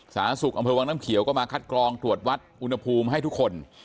สาธารณสุขอำเภอวังน้ำเขียวก็มาคัดกรองตรวจวัดอุณหภูมิให้ทุกคน